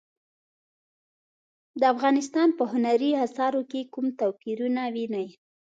د افغانستان په هنري اثارو کې کوم توپیرونه وینئ؟